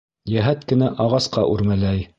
Йәһәт кенә ағасҡа үрмәләй.